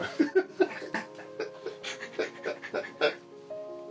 ハハハハ。